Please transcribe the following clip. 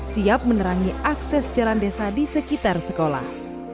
siap menerangi akses jalan desa di sekitar sekolah